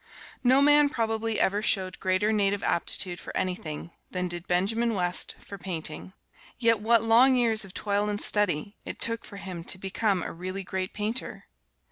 No man probably ever showed greater native aptitude for anything, than did Benjamin West for painting. Yet what long years of toil and study it took for him to become a really great painter?